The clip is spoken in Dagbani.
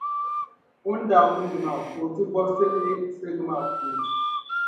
O ni daa kumdi maa ka o ti vɔbisi lihi siliga maa puuni.